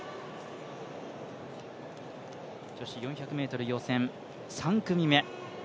女子４００ｍ予選３組目。